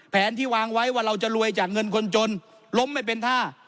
ที่วางไว้ว่าเราจะรวยจากเงินคนจนล้มไม่เป็นท่า